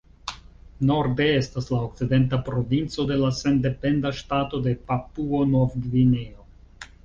Norde estas la Okcidenta Provinco de la sendependa ŝtato de Papuo-Nov-Gvineo.